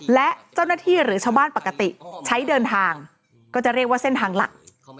และเจ้าหน้าที่หรือชาวบ้านปกติใช้เดินทางก็จะเรียกว่าเส้นทางหลัก